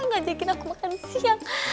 ngajakin aku makan siang